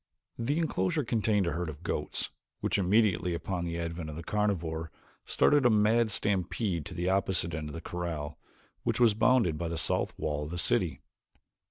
The enclosure contained a herd of goats which immediately upon the advent of the carnivore started a mad stampede to the opposite end of the corral which was bounded by the south wall of the city.